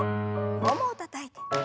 ももをたたいて。